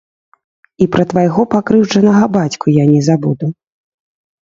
І пра твайго пакрыўджанага бацьку я не забуду.